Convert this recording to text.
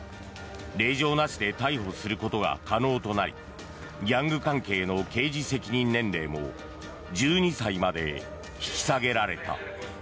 令状なしで逮捕することが可能となりギャング関係の刑事責任年齢も１２歳まで引き下げられた。